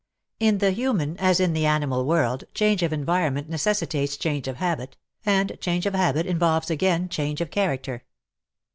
In the human, as in the animal world, change of environment necessitates change of habit, and change of habit involves again change of character.